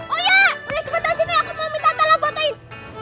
oya oya cepetan sini aku mau minta tanda fotoin